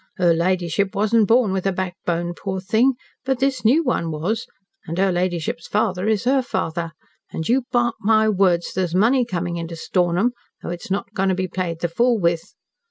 Her ladyship wasn't born with a backbone, poor thing, but this new one was, and her ladyship's father is her father, and you mark my words, there's money coming into Stornham, though it's not going to be played the fool with.